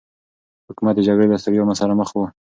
حکومت د جګړې له ستړيا سره مخ و.